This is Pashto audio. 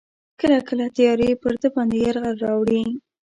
کله کله تیارې پر ده باندې یرغل راوړي.